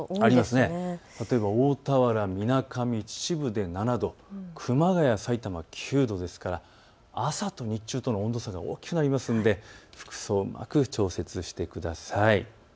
大田原、みなかみ、秩父で７度、熊谷、さいたま９度ですから朝と日中との温度差が大きくなりますので服装をうまく調節してください。